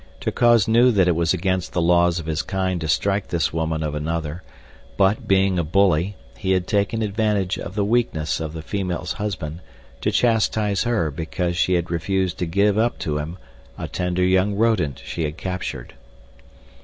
Terkoz knew that it was against the laws of his kind to strike this woman of another, but being a bully, he had taken advantage of the weakness of the female's husband to chastise her because she had refused to give up to him a tender young rodent she had captured.